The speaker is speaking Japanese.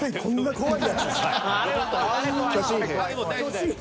怖い。